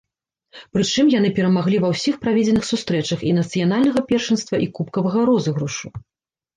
Прычым яны перамаглі ва ўсіх праведзеных сустрэчах і нацыянальнага першынства, і кубкавага розыгрышу.